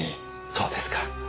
そうですか。